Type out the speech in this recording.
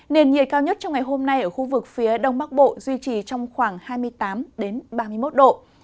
nền nhiệt cao nhất trong ngày hôm nay ở khu vực phía đông bắc bộ duy trì trong khoảng hai mươi tám ba mươi một độ